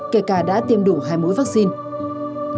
kể cả đã tiêm đủ hai mũi vaccine